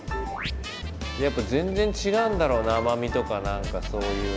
やっぱ全然違うんだろうな甘みとか何かそういうのが。